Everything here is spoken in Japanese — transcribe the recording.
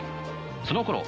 そのころ